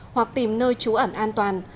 hoặc tìm nơi trú ẩn an toàn